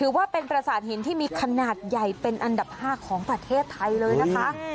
ว่าเป็นประสาทหินที่มีขนาดใหญ่เป็นอันดับ๕ของประเทศไทยเลยนะคะ